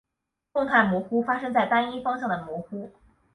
动态模糊发生在单一方向的模糊。